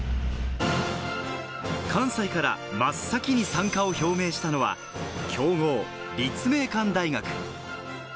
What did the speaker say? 関西から真っ先に参加を表明したのは強豪・立命館大学。